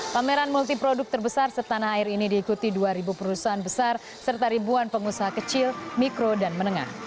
pameran multiproduk terbesar setanah air ini diikuti dua ribu perusahaan besar serta ribuan pengusaha kecil mikro dan menengah